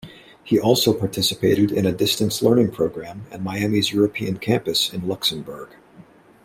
He also participated in a distance learning program and Miami's European campus in Luxembourg.